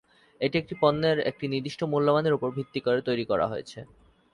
এটি একটি পণ্যের একটি নির্দিষ্ট মূল্যমানের উপর ভিত্তি করে তৈরি করা হয়েছে।